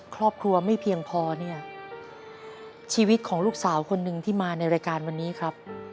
ครอบครัวไม่เพียงพอเนี่ยชีวิตของลูกสาวคนหนึ่งที่มาในรายการวันนี้ครับ